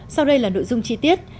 sau đây là nội dung chi tiết